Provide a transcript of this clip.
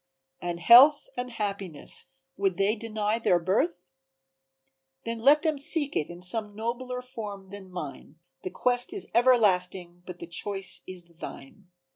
"And Health and Happiness, would they deny their birth? Then let them seek it in some nobler form than mine, The quest is everlasting but the choice is thine."